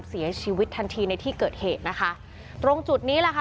เสียชีวิตทันทีในที่เกิดเหตุนะคะตรงจุดนี้แหละค่ะ